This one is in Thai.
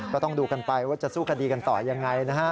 ก็ต้องดูกันไปว่าจะสู้คดีกันต่อยังไงนะฮะ